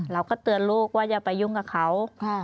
เราก็เตือนลูกว่าอย่าไปยุ่งกับเขา